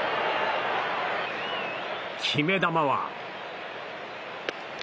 決め球は。